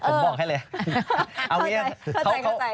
ผมบอกให้เลย